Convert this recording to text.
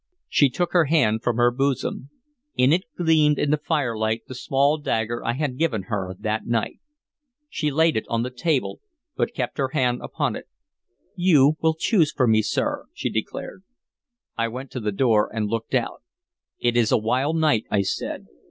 She took her hand from her bosom; in it gleamed in the firelight the small dagger I had given her that night. She laid it on the table, but kept her hand upon it. "You will choose for me, sir," she declared. I went to the door and looked out. "It is a wild night," I said.